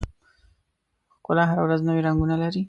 ښکلا هره ورځ نوي رنګونه لري.